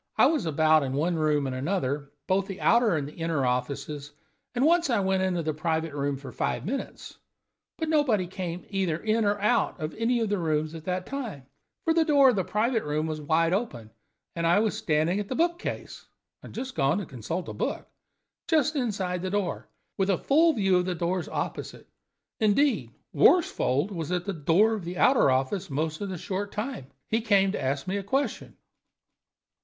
I was about in one room and another, both the outer and the inner offices, and once I went into the private room for five minutes, but nobody came either in or out of any of the rooms at that time, for the door of the private room was wide open, and I was standing at the book case (I had gone to consult a book), just inside the door, with a full view of the doors opposite. Indeed, Worsfold was at the door of the outer office most of the short time. He came to ask me a question."